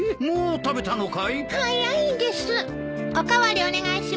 もう食べたのかい？